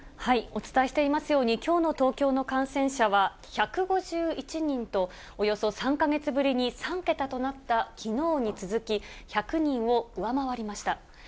お伝えしていますように、きょうの東京の感染者は１５１人と、およそ３か月ぶりに３桁となったきのうに続き、１００人を上回りました。